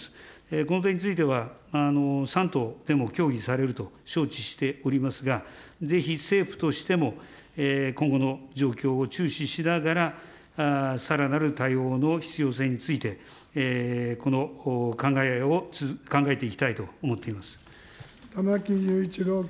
この点については、３党でも協議されると承知をしておりますが、ぜひ政府としても、今後の状況を注視しながら、さらなる対応の必要性について、この考えを、玉木雄一郎君。